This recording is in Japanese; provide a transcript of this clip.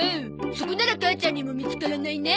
そこなら母ちゃんにも見つからないね。